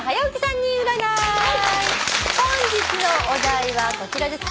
本日のお題はこちらです。